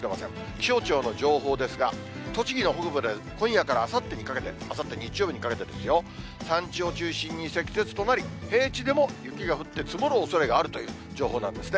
気象庁の情報ですが、栃木の北部では、今夜からあさってにかけて、あさって日曜日にかけてですよ、山地を中心に積雪となり、平地でも雪が降って積もるおそれがあるという、情報なんですね。